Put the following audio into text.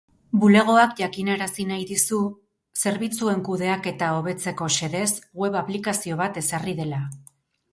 Bulegoak jakinarazi nahi dizu, zerbitzuen kudeaketa hobetzeko xedez, web aplikazio bat ezarri dela.